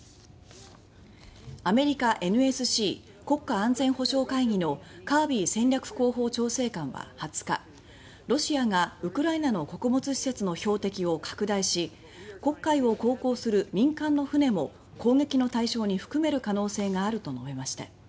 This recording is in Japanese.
アメリカＮＳＣ・国家安全保障会議のカービー戦略広報調整官は２０日ロシアがウクライナの穀物施設の標的を拡大し黒海を航行する民間の船も攻撃の対象に含める可能性があると述べました。